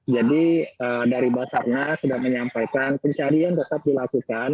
jadi dari basarna sudah menyampaikan pencarian tetap dilakukan